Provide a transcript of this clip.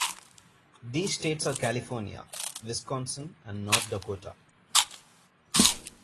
These states are California, Wisconsin, and North Dakota.